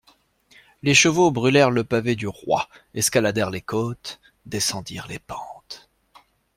Les chevaux brûlèrent le pavé du Roi, escaladèrent les côtes, descendirent les pentes.